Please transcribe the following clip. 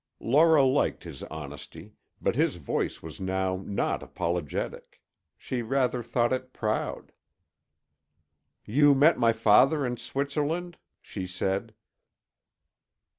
Laura liked his honesty, but his voice was now not apologetic. She rather thought it proud. "You met my father in Switzerland?" she said.